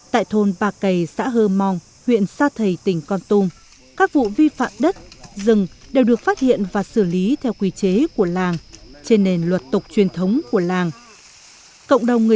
tại thôn bà cầy xã hơ mong huyện sa thầy tỉnh con tum các vụ vi phạm đất rừng đều được phát hiện và xử lý theo quy chế của làng trên nền luật tục truyền thống của làng